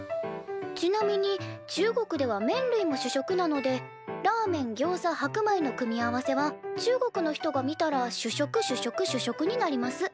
「ちなみに中国ではめん類も主食なのでラーメンギョウザ白米の組み合わせは中国の人が見たら主食主食主食になります」。